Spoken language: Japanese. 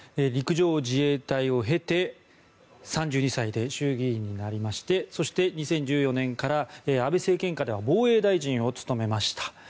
陸上自衛隊を経て３２歳で衆議員になりましてそして２０１４年から安倍政権下では防衛大臣を務めました。